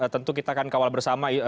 tentu kita akan kawal bersama